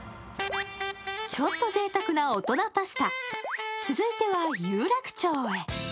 ちょっとぜいたくな大人パスタ、続いては有楽町へ。